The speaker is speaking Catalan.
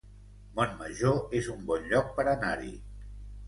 Montmajor es un bon lloc per anar-hi